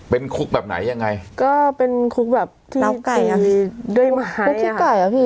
เป็นคุกแบบไหนยังไงก็เป็นคุกแบบที่ตีด้วยไม้คุกที่ไก่อ่ะพี่